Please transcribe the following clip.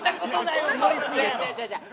違う違う違う。